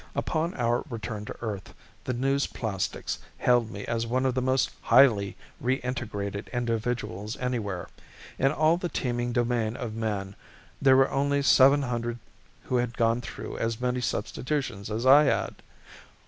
Upon our return to Earth the newsplastics hailed me as one of the most highly reintegrated individuals anywhere. In all the teeming domain of man there were only seven hundred who had gone through as many substitutions as I had.